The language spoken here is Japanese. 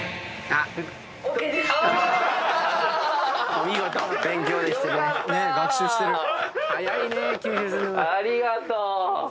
ありがとう。